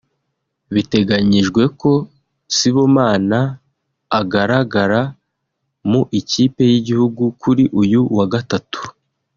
Biteganyijwe ko Sibomana agaragara mu ikipe y’igihugu kuri uyu wa gatatu